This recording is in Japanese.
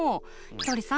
ひとりさん